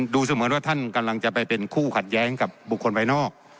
เสมือนว่าท่านกำลังจะไปเป็นคู่ขัดแย้งกับบุคคลภายนอก